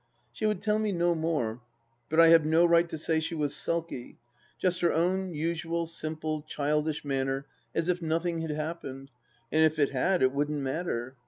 She would tell me no more, but I have no right to say she was sulky. Just her own usual, simple, childish manner as if nothing had happened, and if it had, it wouldn't matter.